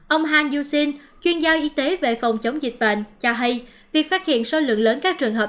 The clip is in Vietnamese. ông han yuxin chuyên gia y tế về phòng chống dịch bệnh cho hay việc phát hiện số lượng lớn các trường hợp